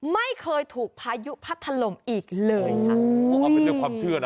ไม่เคยถูกพายุพัดถล่มอีกเลยค่ะ